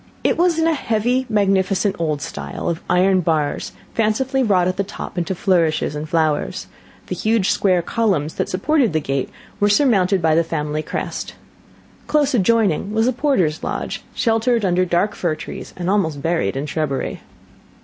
It was in a heavy, magnificent old style, of iron bars, fancifully wrought at top into flourishes and flowers. The huge square columns that supported the gate were surmounted by the family crest. Close adjoining was the porter's lodge, sheltered under dark fir trees, and almost buried in shrubbery.